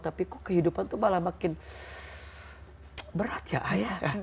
tapi kok kehidupan tuh malah makin berat ya ayah